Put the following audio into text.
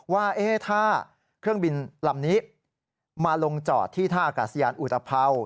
ว่าถ้าเครื่องบินลำนี้มาลงจอดที่ท่าอากาศยานอุตภัวร์